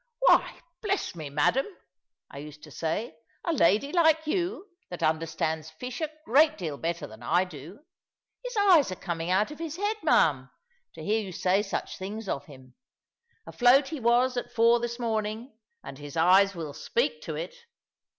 "Why, bless me, madam," I used to say, "a lady like you, that understands fish a great deal better than I do! His eyes are coming out of his head, ma'am, to hear you say such things of him. Afloat he was at four this morning, and his eyes will speak to it."